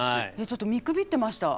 ちょっと見くびってました。